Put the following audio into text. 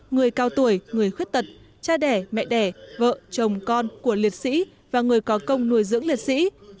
người cao tuổi người khuyết tật cha đẻ mẹ đẻ vợ chồng con của liệt sĩ và người có công nuôi dưỡng liệt sĩ